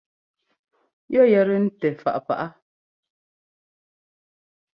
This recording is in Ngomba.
Yɔ yɛ́tɛ́ ntɛ fáʼ pá?